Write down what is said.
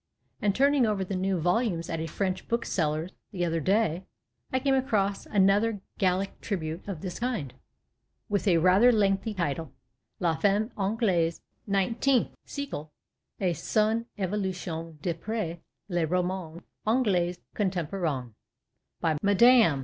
And, turning over the new volumes at a French booksellers the other day, I came across another Gallic tribute of this kind, with a rather lengthy title, " La Femme Anglaise au XIX" siccle et son evolution d'aprcs le roman anglais contemporain," by Mme.